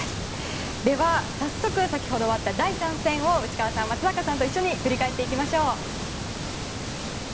では早速先ほど終わった第３戦を内川さん、松坂さんと一緒に振り返っていきましょう。